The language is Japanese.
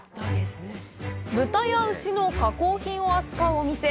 豚や牛の加工品を扱うお店。